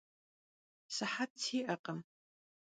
Sıhet si'ekhım.